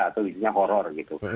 itu isinya horror gitu